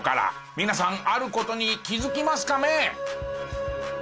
皆さんある事に気づきますカメ？